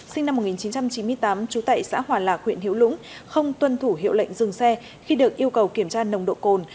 sinh năm một nghìn chín trăm chín mươi tám trú tại xã hòa lạc huyện hiểu lũng không tuân thủ hiệu lệnh dừng xe khi được yêu cầu kiểm tra nồng độ cồn